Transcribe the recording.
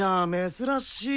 珍しい！